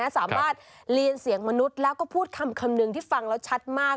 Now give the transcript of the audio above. สามารถเรียนเสียงมนุษย์แล้วก็พูดคำหนึ่งที่ฟังแล้วชัดมาก